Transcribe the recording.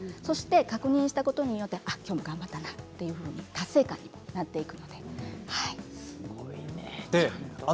確認したことによってきょうも頑張ったなというふうに達成感になっていくので。